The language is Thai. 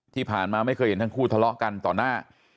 ที่ผ่านมาไม่เคยเห็นทั้งคู่ทะเลาะกันต่อหน้า